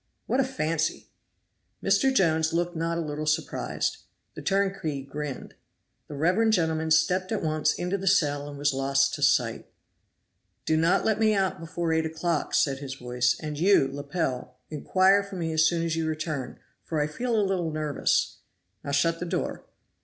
"What a fancy!" Mr. Jones looked not a little surprised. The turnkey grinned. The reverend gentleman stepped at once into the cell and was lost to sight. "Do not let me out before eight o'clock," said his voice, "and you, Lepel, inquire for me as soon as you return, for I feel a little nervous. Now shut the door."